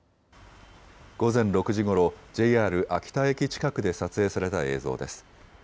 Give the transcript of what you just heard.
午前６時ごろ、ＪＲ秋田駅近くで撮影された映像です。